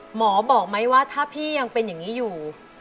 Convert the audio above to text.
หมอบอกไหมว่าถ้าพี่ยังเป็นอย่างนี้อยู่